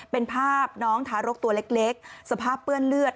เป็นภาพน้องทารกตัวเล็กสภาพเปื้อนเลือด